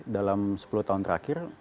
dalam sepuluh tahun terakhir